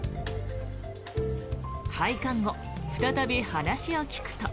拝観後、再び話を聞くと。